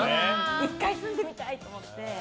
１回住んでみたいと思って。